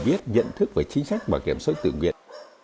viết nhận thức về chính sách và kiểm soát tự nguyện